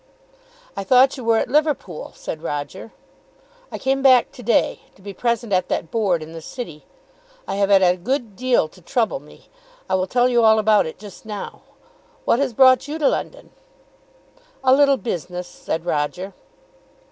"I thought you were at Liverpool," said Roger. "I came back to day, to be present at that Board in the city. I have had a good deal to trouble me. I will tell you all about it just now. What has brought you to London?" "A little business," said Roger.